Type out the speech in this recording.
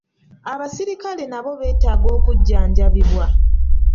Abaserikale nabo beetaaga okujjanjabibwa